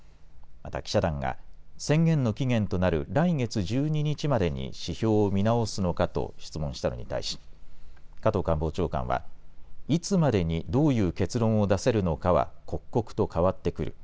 また記者団が宣言の期限となる来月１２日までに指標を見直すのかと質問したのに対し加藤官房長官はいつまでにどういう結論を出せるのかは刻々と変わってくる。